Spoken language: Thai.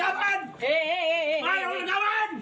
อย่างกูใจ